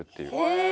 へえ。